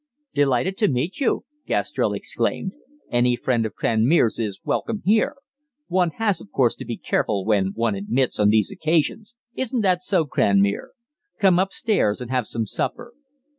"Delighted to meet you," Gastrell exclaimed. "Any friend of Cranmere's is welcome here; one has, of course, to be careful whom one admits on these occasions isn't that so, Cranmere? Come upstairs and have some supper."